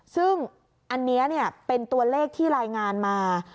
ซึ่งอันนี้เป็นตัวเลขที่รายงานมา